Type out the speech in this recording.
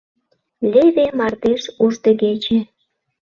Леве мардеж уждегече.